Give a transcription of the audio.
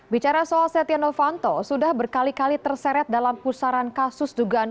bicara soal setia novanto sudah berkali kali terseret dalam pusaran kasus dugaan